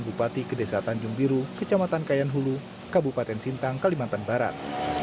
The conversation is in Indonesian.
bupati ke desa tanjung biru kecamatan kayan hulu kabupaten sintang kalimantan barat